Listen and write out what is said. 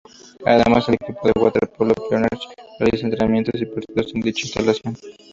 Además, el equipo de waterpolo Picornell realiza entrenamientos y partidos en dicha instalación.